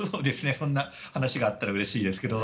そんな話があったらうれしいですけど。